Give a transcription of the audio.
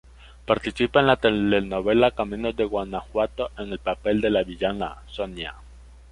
Participa en la telenovela Caminos de Guanajuato en el papel de la villana 'Sonia',